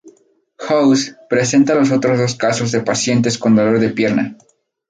House presenta los otros dos casos de pacientes con dolor de pierna.